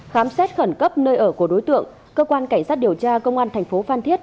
khám xét khẩn cấp nơi ở của đối tượng cơ quan cảnh sát điều tra công an thành phố phan thiết